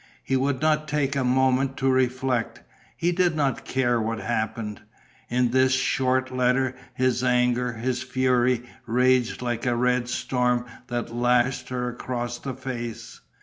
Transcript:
He would not take a moment to reflect. He did not care what happened.... In this short letter, his anger, his fury, raged like a red storm that lashed her across the face.